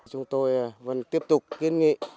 chúng tôi vẫn tiếp tục kiên nghị